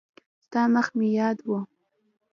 ستا مخ مې یاد و.